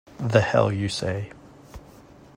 The hell you say!